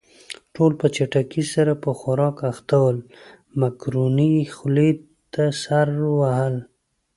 ټول په چټکۍ سره په خوراک اخته ول، مکروني يې خولې ته سر وهل.